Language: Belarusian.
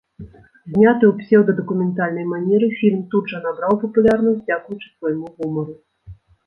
Зняты ў псеўдадакументальнай манеры, фільм тут жа набраў папулярнасць дзякуючы свайму гумару.